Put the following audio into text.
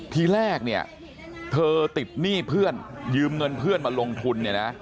ทีแรกเนี่ยเธอติดหนี้เพื่อนยืมเงินเพื่อนมาลงทุนเนี่ยนะ